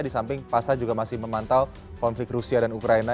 di samping pasar juga masih memantau konflik rusia dan ukraina